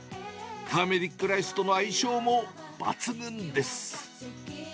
ターメリックライスとの相性も抜群です。